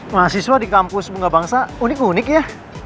mahasiswa di kampus bunga bangsa unik unik ya